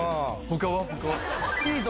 他は？